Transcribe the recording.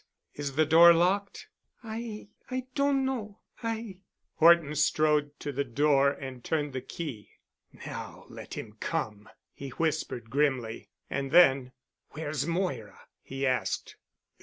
Is the door locked?" "I—I doan know. I——" Horton strode to the door and turned the key. "Now let him come," he whispered grimly. And then, "Where's Moira?" he asked.